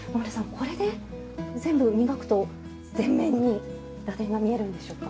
これで全部磨くと全面に螺鈿が見えるんでしょうか。